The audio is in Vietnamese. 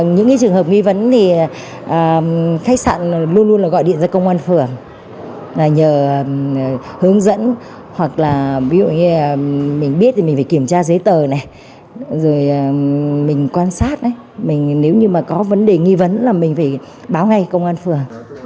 những trường hợp nghi vấn thì khách sạn luôn luôn gọi điện ra công an phường nhờ hướng dẫn hoặc là mình biết thì mình phải kiểm tra giấy tờ này rồi mình quan sát nếu như có vấn đề nghi vấn thì mình phải báo ngay công an phường